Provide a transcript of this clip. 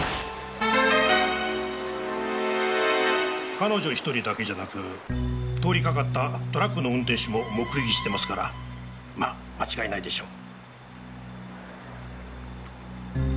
彼女１人だけじゃなく通りかかったトラックの運転手も目撃してますからまあ間違いないでしょう。